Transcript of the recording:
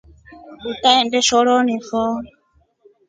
Utaenda shoroni fo.